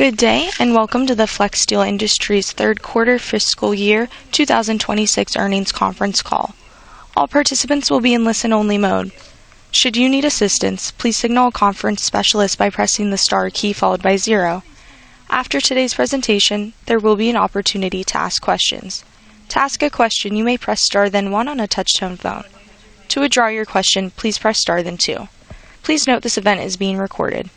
Good day, and welcome to the Flexsteel Industries third quarter fiscal year 2026 earnings conference call. All participants will be in listen-only mode. Should you need assistance, please signal a conference specialist by pressing the star key followed by zero. After today's presentation, there will be an opportunity to ask questions. To ask a question, you may press star then one on a touch-tone phone. To withdraw your question, please press star then two. Please note this event is being recorded.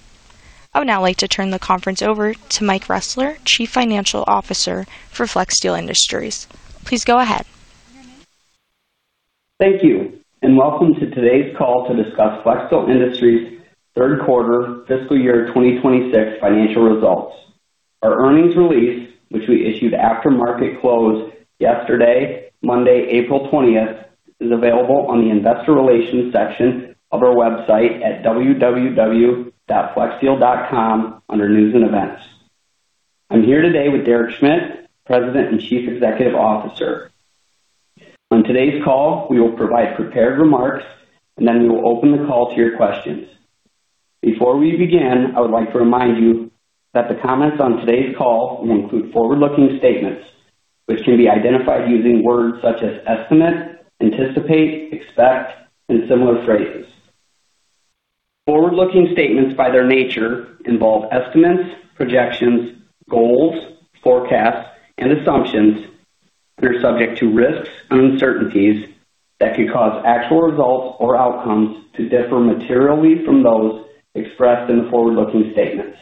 I would now like to turn the conference over to Michael Ressler, Chief Financial Officer for Flexsteel Industries. Please go ahead. Thank you, and welcome to today's call to discuss Flexsteel Industries' third quarter fiscal year 2026 financial results. Our earnings release, which we issued after market close yesterday, Monday, April 20th, is available on the investor relations section of our website at www.flexsteel.com under News and Events. I'm here today with Derek Schmidt, President and Chief Executive Officer. On today's call, we will provide prepared remarks, and then we will open the call to your questions. Before we begin, I would like to remind you that the comments on today's call will include forward-looking statements, which can be identified using words such as estimate, anticipate, expect, and similar phrases. Forward-looking statements, by their nature, involve estimates, projections, goals, forecasts, and assumptions, and are subject to risks and uncertainties that could cause actual results or outcomes to differ materially from those expressed in the forward-looking statements.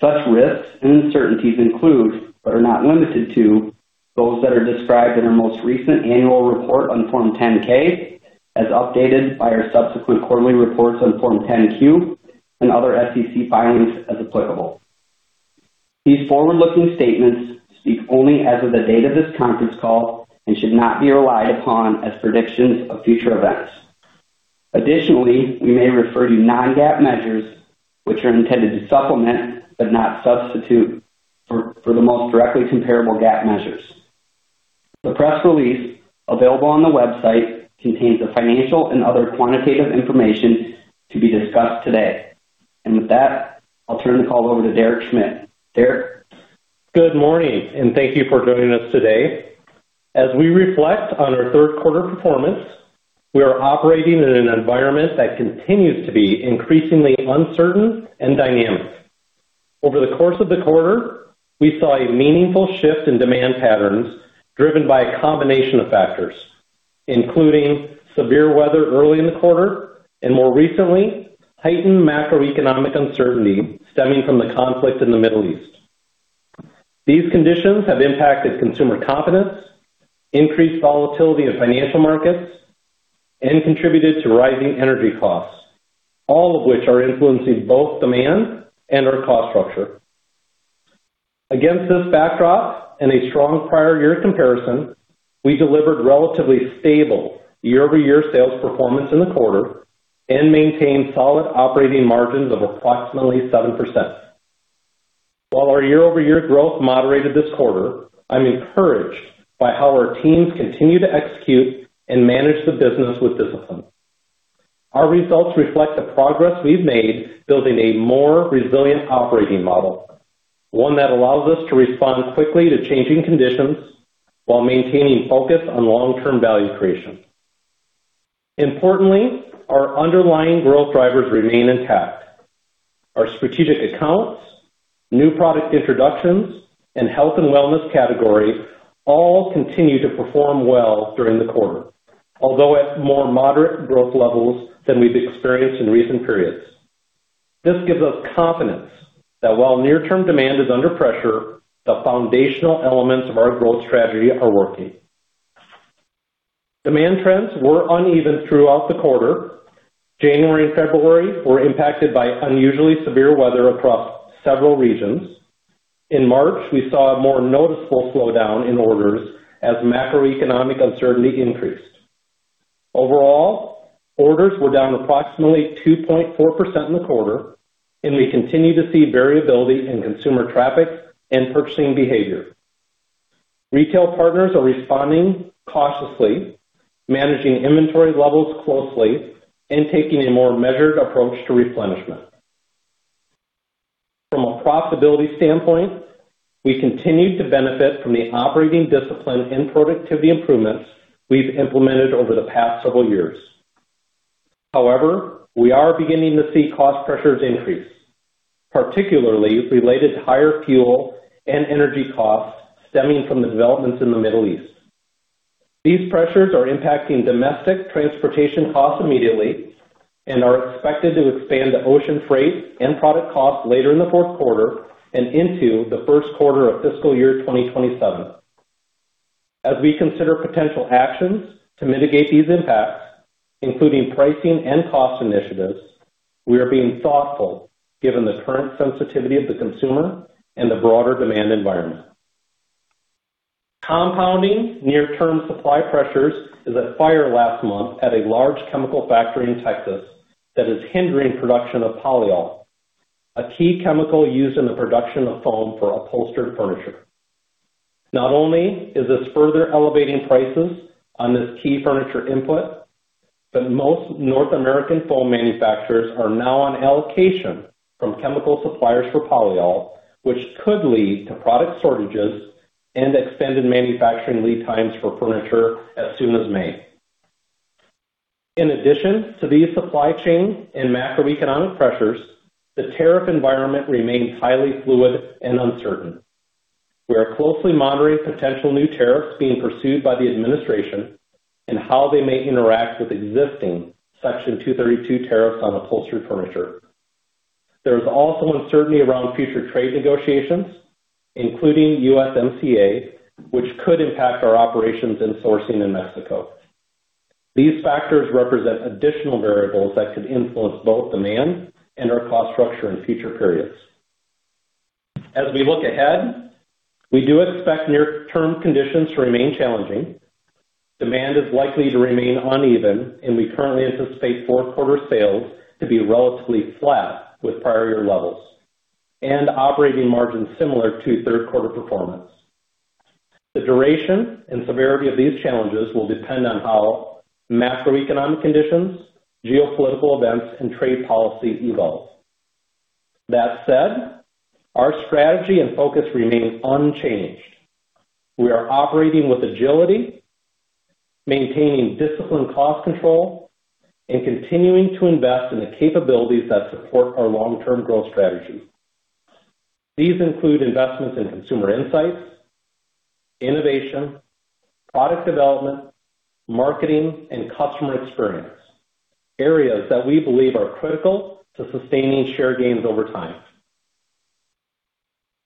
Such risks and uncertainties include, but are not limited to, those that are described in our most recent annual report on Form 10-K, as updated by our subsequent quarterly reports on Form 10-Q and other SEC filings as applicable. These forward-looking statements speak only as of the date of this conference call and should not be relied upon as predictions of future events. Additionally, we may refer to non-GAAP measures, which are intended to supplement, but not substitute for, the most directly comparable GAAP measures. The press release available on the website contains the financial and other quantitative information to be discussed today. With that, I'll turn the call over to Derek Schmidt. Derek? Good morning, and thank you for joining us today. As we reflect on our third quarter performance, we are operating in an environment that continues to be increasingly uncertain and dynamic. Over the course of the quarter, we saw a meaningful shift in demand patterns driven by a combination of factors, including severe weather early in the quarter and, more recently, heightened macroeconomic uncertainty stemming from the conflict in the Middle East. These conditions have impacted consumer confidence, increased volatility of financial markets, and contributed to rising energy costs, all of which are influencing both demand and our cost structure. Against this backdrop and a strong prior year comparison, we delivered relatively stable year-over-year sales performance in the quarter and maintained solid operating margins of approximately 7%. While our year-over-year growth moderated this quarter, I'm encouraged by how our teams continue to execute and manage the business with discipline. Our results reflect the progress we've made building a more resilient operating model, one that allows us to respond quickly to changing conditions while maintaining focus on long-term value creation. Importantly, our underlying growth drivers remain intact. Our Strategic Accounts, new product introductions, and Health and Wellness category all continued to perform well during the quarter, although at more moderate growth levels than we've experienced in recent periods. This gives us confidence that while near-term demand is under pressure, the foundational elements of our growth strategy are working. Demand trends were uneven throughout the quarter. January and February were impacted by unusually severe weather across several regions. In March, we saw a more noticeable slowdown in orders as macroeconomic uncertainty increased. Overall, orders were down approximately 2.4% in the quarter, and we continue to see variability in consumer traffic and purchasing behavior. Retail partners are responding cautiously, managing inventory levels closely, and taking a more measured approach to replenishment. From a profitability standpoint, we continued to benefit from the operating discipline and productivity improvements we've implemented over the past several years. However, we are beginning to see cost pressures increase, particularly related to higher fuel and energy costs stemming from the developments in the Middle East. These pressures are impacting domestic transportation costs immediately and are expected to expand to ocean freight and product costs later in the fourth quarter and into the first quarter of fiscal year 2027. As we consider potential actions to mitigate these impacts, including pricing and cost initiatives, we are being thoughtful given the current sensitivity of the consumer and the broader demand environment. Compounding near-term supply pressures is a fire last month at a large chemical factory in Texas that is hindering production of polyol, a key chemical used in the production of foam for upholstered furniture. Not only is this further elevating prices on this key furniture input, but most North American foam manufacturers are now on allocation from chemical suppliers for polyol, which could lead to product shortages and extended manufacturing lead times for furniture as soon as May. In addition to these supply chain and macroeconomic pressures, the tariff environment remains highly fluid and uncertain. We are closely monitoring potential new tariffs being pursued by the administration and how they may interact with existing Section 232 tariffs on upholstery furniture. There is also uncertainty around future trade negotiations, including USMCA, which could impact our operations and sourcing in Mexico. These factors represent additional variables that could influence both demand and our cost structure in future periods. As we look ahead, we do expect near-term conditions to remain challenging. Demand is likely to remain uneven, and we currently anticipate fourth quarter sales to be relatively flat with prior year levels and operating margins similar to third quarter performance. The duration and severity of these challenges will depend on how macroeconomic conditions, geopolitical events, and trade policy evolve. That said, our strategy and focus remains unchanged. We are operating with agility, maintaining disciplined cost control, and continuing to invest in the capabilities that support our long-term growth strategy. These include investments in consumer insights, innovation, product development, marketing, and customer experience, areas that we believe are critical to sustaining share gains over time.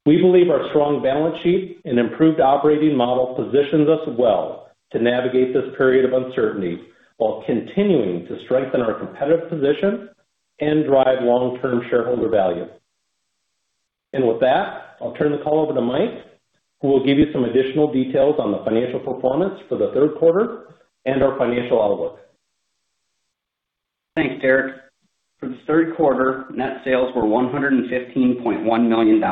We believe our strong balance sheet and improved operating model positions us well to navigate this period of uncertainty while continuing to strengthen our competitive position and drive long-term shareholder value. With that, I'll turn the call over to Mike, who will give you some additional details on the financial performance for the third quarter and our financial outlook. Thanks, Derek. For the third quarter, net sales were $115.1 million,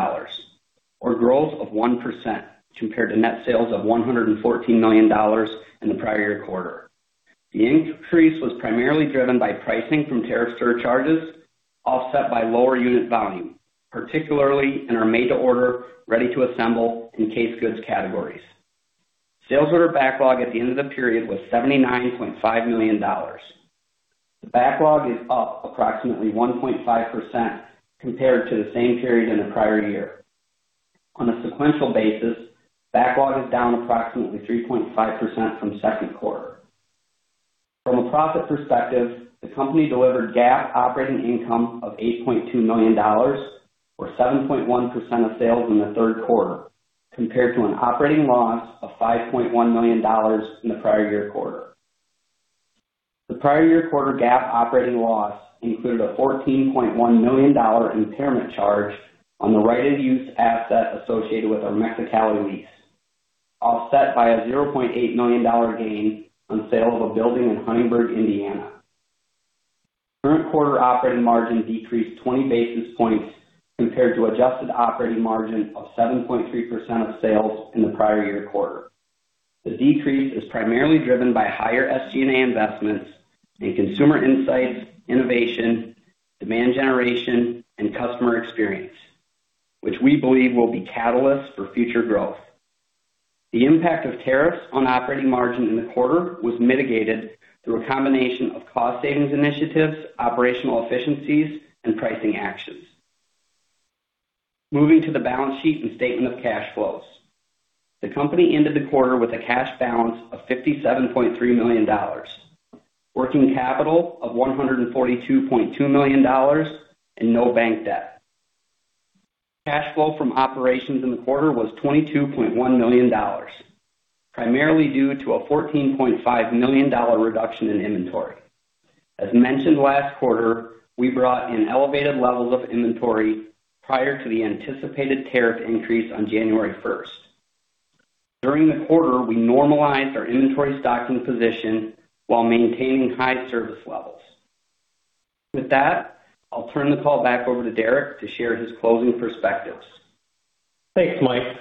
or growth of 1% compared to net sales of $114 million in the prior year quarter. The increase was primarily driven by pricing from tariff surcharges offset by lower unit volume, particularly in our made-to-order, ready-to-assemble, and casegoods categories. Sales order backlog at the end of the period was $79.5 million. The backlog is up approximately 1.5% compared to the same period in the prior year. On a sequential basis, backlog is down approximately 3.5% from second quarter. From a profit perspective, the company delivered GAAP operating income of $8.2 million or 7.1% of sales in the third quarter compared to an operating loss of $5.1 million in the prior year quarter. The prior year quarter GAAP operating loss included a $14.1 million impairment charge on the right-of-use asset associated with our Mexicali lease, offset by a $0.8 million gain on sale of a building in Huntingburg, Indiana. Current quarter operating margin decreased 20 basis points compared to adjusted operating margin of 7.3% of sales in the prior year quarter. The decrease is primarily driven by higher SG&A investments in consumer insights, innovation, demand generation, and customer experience, which we believe will be catalysts for future growth. The impact of tariffs on operating margin in the quarter was mitigated through a combination of cost savings initiatives, operational efficiencies, and pricing actions. Moving to the balance sheet and statement of cash flows. The company ended the quarter with a cash balance of $57.3 million, working capital of $142.2 million, and no bank debt. Cash flow from operations in the quarter was $22.1 million, primarily due to a $14.5 million reduction in inventory. As mentioned last quarter, we brought in elevated levels of inventory prior to the anticipated tariff increase on January 1st. During the quarter, we normalized our inventory stocking position while maintaining high service levels. With that, I'll turn the call back over to Derek to share his closing perspectives. Thanks, Mike.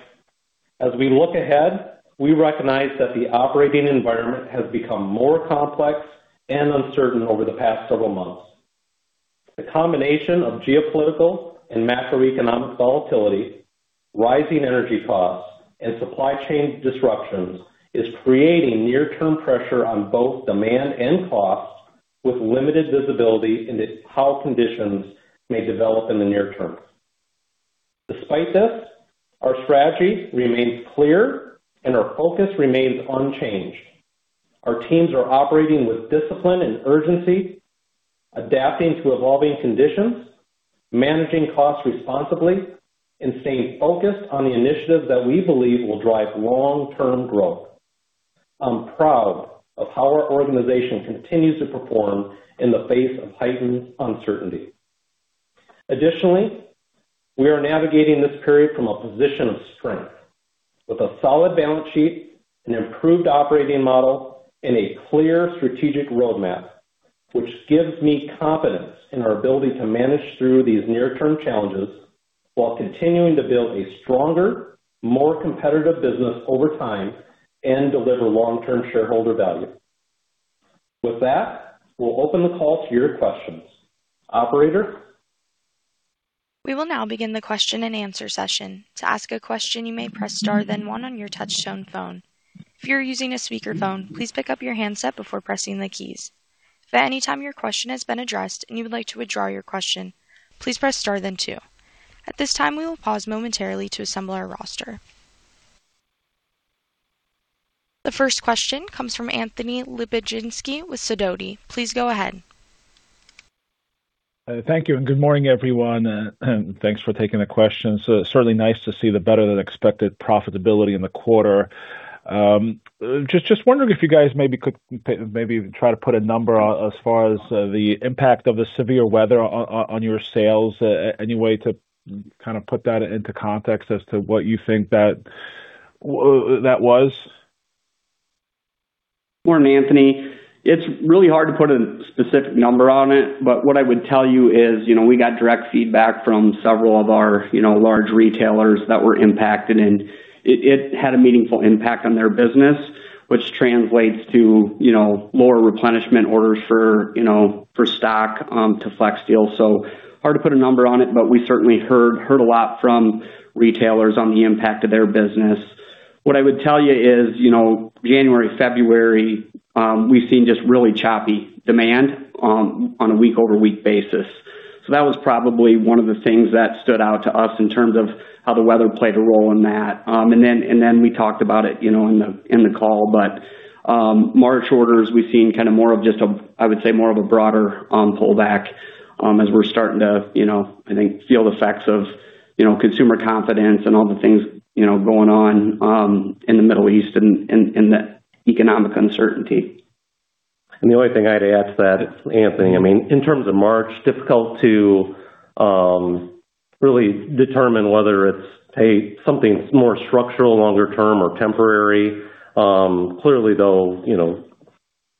As we look ahead, we recognize that the operating environment has become more complex and uncertain over the past several months. The combination of geopolitical and macroeconomic volatility, rising energy costs, and supply chain disruptions is creating near-term pressure on both demand and costs, with limited visibility into how conditions may develop in the near term. Despite this, our strategy remains clear and our focus remains unchanged. Our teams are operating with discipline and urgency, adapting to evolving conditions, managing costs responsibly, and staying focused on the initiatives that we believe will drive long-term growth. I'm proud of how our organization continues to perform in the face of heightened uncertainty. Additionally, we are navigating this period from a position of strength with a solid balance sheet, an improved operating model, and a clear strategic roadmap. Which gives me confidence in our ability to manage through these near-term challenges while continuing to build a stronger, more competitive business over time and deliver long-term shareholder value. With that, we'll open the call to your questions. Operator? We will now begin the question-and-answer session. To ask a question, you may press star then one on your touch-tone phone. If you're using a speakerphone, please pick up your handset before pressing the keys. If at any time your question has been addressed and you would like to withdraw your question, please press star then two. At this time, we will pause momentarily to assemble our roster. The first question comes from Anthony Lebiedzinski with Sidoti. Please go ahead. Thank you, and good morning, everyone, and thanks for taking the question. Certainly nice to see the better-than-expected profitability in the quarter. Just wondering if you guys maybe could try to put a number as far as the impact of the severe weather on your sales, any way to kind of put that into context as to what you think that was? Morning, Anthony. It's really hard to put a specific number on it, but what I would tell you is we got direct feedback from several of our large retailers that were impacted, and it had a meaningful impact on their business, which translates to lower replenishment orders for stock to Flexsteel. Hard to put a number on it, but we certainly heard a lot from retailers on the impact of their business. What I would tell you is January, February, we've seen just really choppy demand on a week-over-week basis. That was probably one of the things that stood out to us in terms of how the weather played a role in that. Then we talked about it in the call. March orders, we've seen more of just a, I would say more of a broader pullback as we're starting to, I think, feel the effects of consumer confidence and all the things going on in the Middle East and the economic uncertainty. The only thing I'd add to that, Anthony, in terms of March, difficult to really determine whether it's something that's more structural, longer-term or temporary. Clearly, though,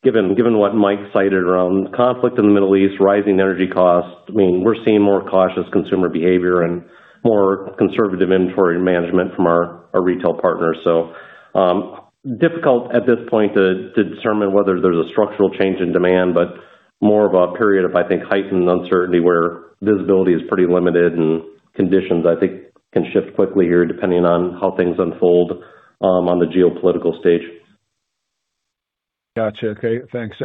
given what Mike cited around conflict in the Middle East, rising energy costs, we're seeing more cautious consumer behavior and more conservative inventory management from our retail partners. Difficult at this point to determine whether there's a structural change in demand, but more of a period of, I think, heightened uncertainty where visibility is pretty limited and conditions, I think, can shift quickly here depending on how things unfold on the geopolitical stage. Got you. Okay, thanks.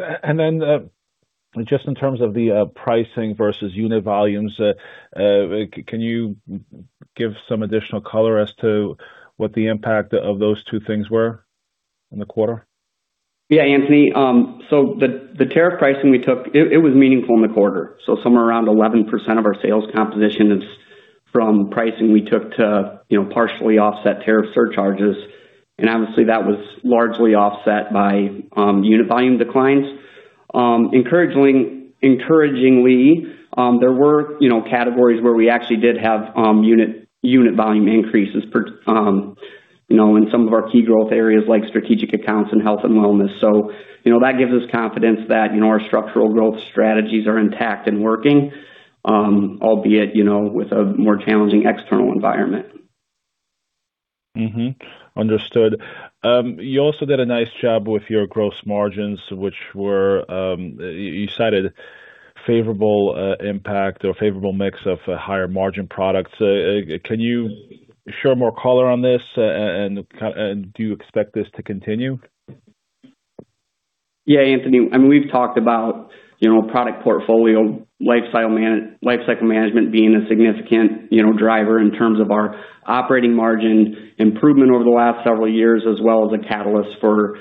Just in terms of the pricing versus unit volumes, can you give some additional color as to what the impact of those two things were in the quarter? Yeah, Anthony. The tariff pricing we took, it was meaningful in the quarter. Somewhere around 11% of our sales composition is from pricing we took to partially offset tariff surcharges. Obviously that was largely offset by unit volume declines. Encouragingly, there were categories where we actually did have unit volume increases in some of our key growth areas like Strategic Accounts and Health and Wellness. That gives us confidence that our structural growth strategies are intact and working, albeit with a more challenging external environment. Understood. You also did a nice job with your gross margins, which you cited favorable impact or favorable mix of higher-margin products. Can you share more color on this and do you expect this to continue? Yeah, Anthony. We've talked about product portfolio life cycle management being a significant driver in terms of our operating margin improvement over the last several years, as well as a catalyst for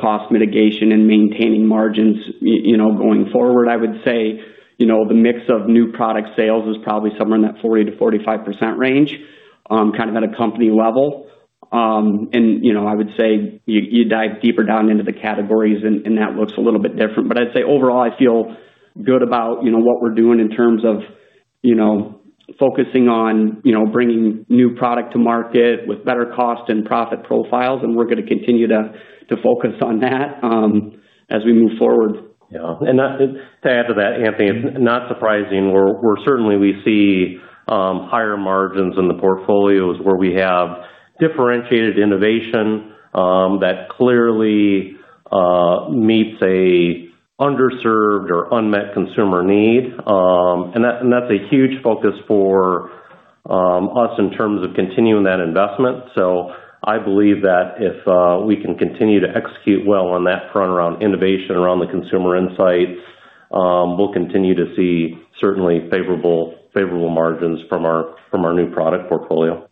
cost mitigation and maintaining margins. Going forward, I would say the mix of new product sales is probably somewhere in that 40%-45% range, kind of at a company level. I would say you dive deeper down into the categories and that looks a little bit different. I'd say overall, I feel good about what we're doing in terms of focusing on bringing new product to market with better cost and profit profiles, and we're going to continue to focus on that as we move forward. Yeah. To add to that, Anthony, it's not surprising. Certainly we see higher margins in the portfolios where we have differentiated innovation that clearly meets an underserved or unmet consumer need. That's a huge focus for us in terms of continuing that investment. I believe that if we can continue to execute well on that front around innovation, around the consumer insights, we'll continue to see certainly favorable margins from our new product portfolio.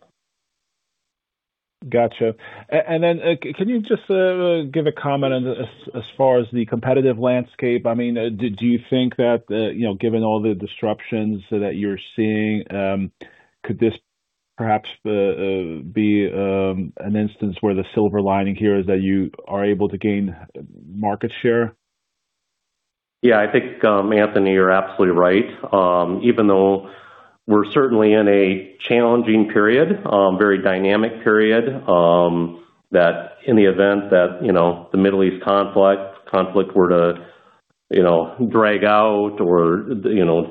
Got you. Can you just give a comment as far as the competitive landscape? Do you think that given all the disruptions that you're seeing, could this perhaps be an instance where the silver lining here is that you are able to gain market share? Yeah, I think, Anthony, you're absolutely right. Even though we're certainly in a challenging period, very dynamic period, that in the event that the Middle East conflict were to drag out or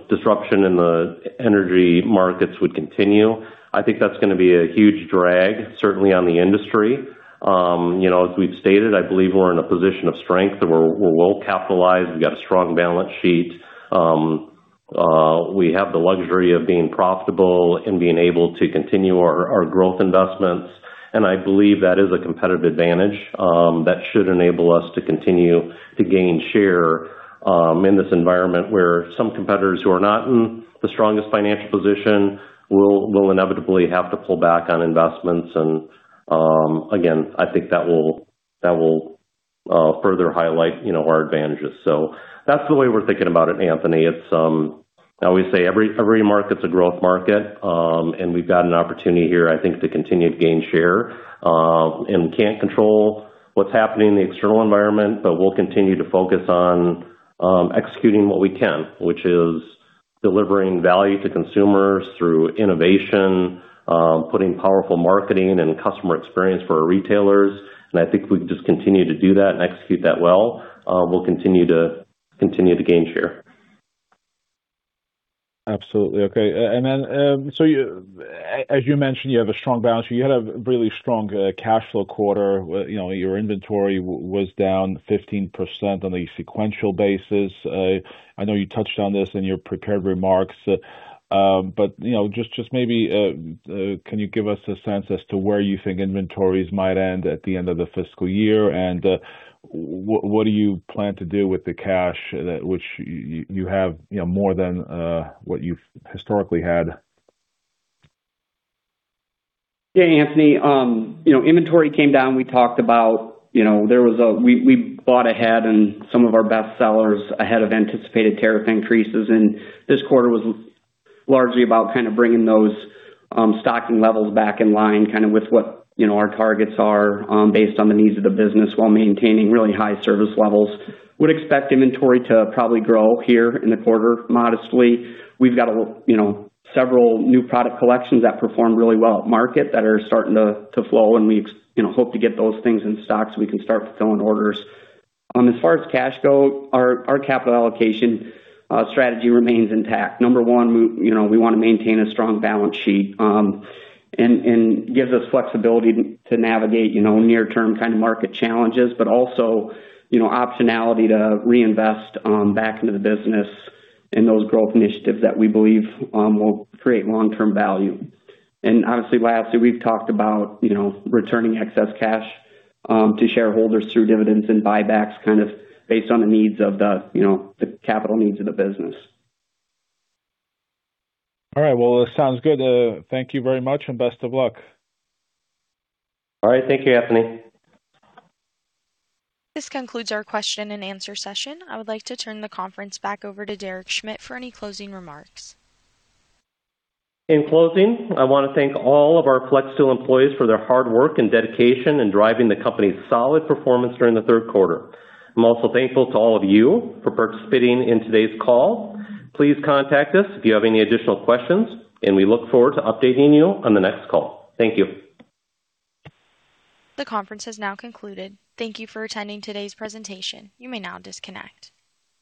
disruption in the energy markets would continue. I think that's going to be a huge drag, certainly on the industry. As we've stated, I believe we're in a position of strength, and we're well-capitalized. We've got a strong balance sheet. We have the luxury of being profitable and being able to continue our growth investments, and I believe that is a competitive advantage that should enable us to continue to gain share in this environment, where some competitors who are not in the strongest financial position will inevitably have to pull back on investments. Again, I think that will further highlight our advantages. That's the way we're thinking about it, Anthony. I always say every market's a growth market. We've got an opportunity here, I think, to continue to gain share. We can't control what's happening in the external environment, but we'll continue to focus on executing what we can, which is delivering value to consumers through innovation, putting powerful marketing and customer experience for our retailers. I think if we just continue to do that and execute that well, we'll continue to gain share. Absolutely. Okay. As you mentioned, you have a strong balance sheet. You had a really strong cash flow quarter. Your inventory was down 15% on a sequential basis. I know you touched on this in your prepared remarks, but just maybe can you give us a sense as to where you think inventories might end at the end of the fiscal year? What do you plan to do with the cash that you have more than what you've historically had? Yeah. Anthony, inventory came down. We talked about we bought ahead in some of our best sellers ahead of anticipated tariff increases, and this quarter was largely about kind of bringing those stocking levels back in line, kind of with what our targets are based on the needs of the business while maintaining really high service levels. We would expect inventory to probably grow here in the quarter modestly. We've got several new product collections that perform really well at Market that are starting to flow, and we hope to get those things in stock so we can start fulfilling orders. As far as cash flow goes, our capital allocation strategy remains intact. Number one, we want to maintain a strong balance sheet, and gives us flexibility to navigate near-term kind of market challenges, but also optionality to reinvest back into the business in those growth initiatives that we believe will create long-term value. Obviously, we've talked about returning excess cash to shareholders through dividends and buybacks, kind of based on the capital needs of the business. All right. Well, it sounds good. Thank you very much, and best of luck. All right. Thank you, Anthony. This concludes our question and answer session. I would like to turn the conference back over to Derek Schmidt for any closing remarks. In closing, I want to thank all of our Flexsteel employees for their hard work and dedication in driving the company's solid performance during the third quarter. I'm also thankful to all of you for participating in today's call. Please contact us if you have any additional questions, and we look forward to updating you on the next call. Thank you. The conference has now concluded. Thank you for attending today's presentation. You may now disconnect.